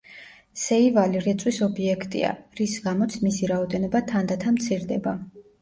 სეივალი რეწვის ობიექტია, რის გამოც მისი რაოდენობა თანდათან მცირდება.